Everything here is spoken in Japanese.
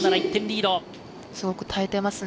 すごく耐えてますね。